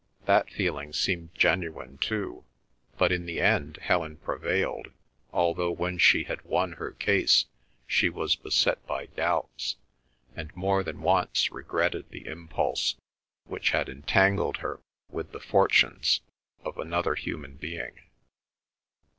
That feeling seemed genuine too, but in the end Helen prevailed, although when she had won her case she was beset by doubts, and more than once regretted the impulse which had entangled her with the fortunes of another human being.